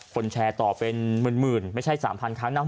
แชร์ต่อเป็นหมื่นไม่ใช่๓๐๐ครั้งนะ